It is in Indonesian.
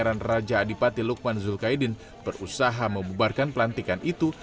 raja adipati lukman julkaidin berusaha membubarkan pelantikan itu